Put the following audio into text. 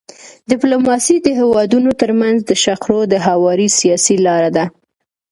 ډيپلوماسي د هیوادونو ترمنځ د شخړو د هواري سیاسي لار ده.